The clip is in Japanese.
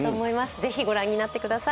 是非、御覧になってください。